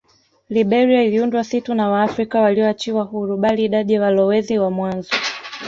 Liberia iliundwa si tu na Waafrika walioachiwa huru bali idadi ya walowezi wa mwanzo